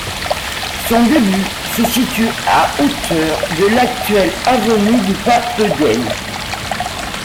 Son début se situe à hauteur de l’actuelle avenue du Paepedelle.